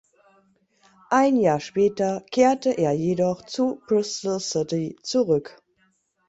Ein Jahr später kehrte er jedoch zu Bristol City zurück.